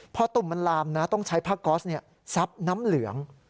พอตุ่มมันลามนะต้องใช้ผ้าก๊อสซับน้ำเหลือง